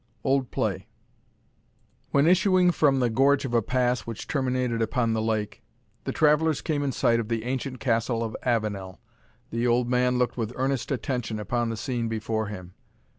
OLD PLAY. When, issuing from the gorge of a pass which terminated upon the lake, the travellers came in sight of the ancient castle of Avenel, the old man looked with earnest attention upon the scene before him.